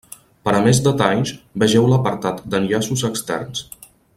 Per a més detalls, vegeu l'apartat d'enllaços externs.